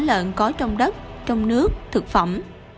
sán lợn có trong đất trong nước thực phẩm